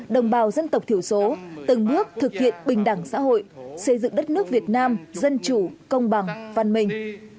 đồng bào dân tộc thiểu số từng bước thực hiện bình đẳng xã hội xây dựng đất nước việt nam dân chủ công bằng văn minh